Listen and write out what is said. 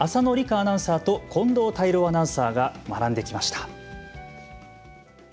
アナウンサーと近藤泰郎アナウンサーが学んできました。